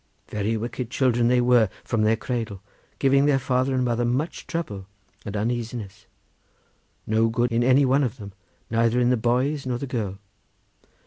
Very wicked children they were from their cradle, giving their father and mother much trouble and uneasiness; no good in any one of them, neither in the boys nor the girl.